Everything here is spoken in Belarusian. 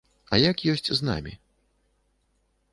А як ёсць з намі?